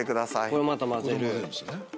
これまた混ぜる。